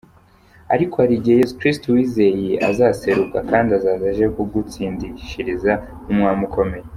” Ariko hari igihe Yesu Kristo wizeye azaseruka kandi azaza aje kugutsindishiriza nk’Umwami ukomeye.